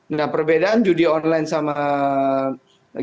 nah perbedaan judi online sama game online